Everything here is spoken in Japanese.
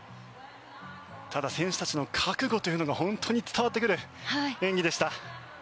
ただ選手たちの覚悟というのが本当に伝わってくる演技でした。